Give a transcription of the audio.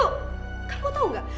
kamu tau gak